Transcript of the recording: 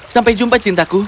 sampai jumpa cintaku